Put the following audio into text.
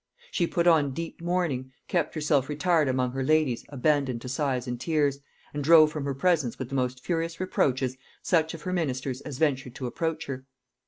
She put on deep mourning, kept herself retired among her ladies abandoned to sighs and tears, and drove from her presence with the most furious reproaches such of her ministers as ventured to approach her.